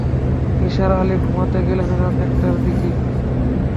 নিসার আলি ঘুমুতে গেলেন রাত একটার দিকে।